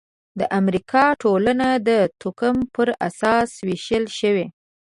د امریکا ټولنه د توکم پر اساس وېش شوې.